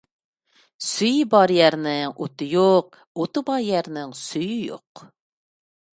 سۈيى بار يەرنىڭ ئوتى يوق، ئوتى بار يەرنىڭ سۈيى يوق.